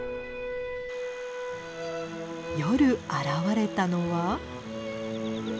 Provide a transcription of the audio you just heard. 夜現れたのは。